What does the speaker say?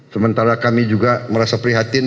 sementara kami juga merasa prihatin